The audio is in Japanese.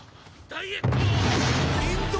ダイエット！